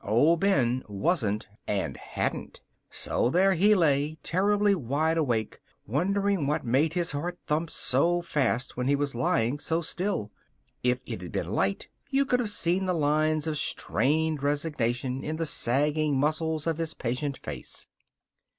Old Ben wasn't and hadn't. So there he lay, terribly wide awake, wondering what made his heart thump so fast when he was lying so still. If it had been light, you could have seen the lines of strained resignation in the sagging muscles of his patient face.